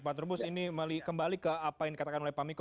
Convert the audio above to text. pak trubus ini kembali ke apa yang dikatakan oleh pak miko